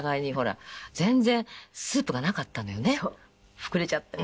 膨れちゃってね。